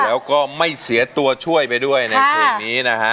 แล้วก็ไม่เสียตัวช่วยไปด้วยในเพลงนี้นะฮะ